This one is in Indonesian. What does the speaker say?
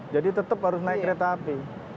jadi tetap harus naik kereta api